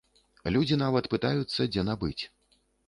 Людзі нават пытаюцца, дзе набыць.